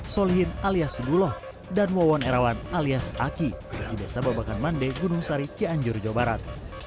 solihin alias subuloh dan wawon erawan alias aki di desa babakan mande gunung sari cianjur jawa barat